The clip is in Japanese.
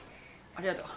ありがとう。